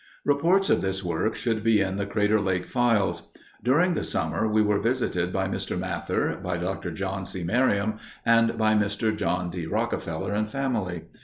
Reports of this work should be in the Crater Lake files. During the summer we were visited by Mr. Mather, by Dr. John C. Merriam, and by Mr. John D. Rockefeller and family.